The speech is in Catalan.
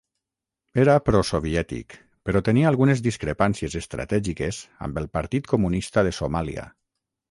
Era pro soviètic però tenia algunes discrepàncies estratègiques amb el Partit Comunista de Somàlia.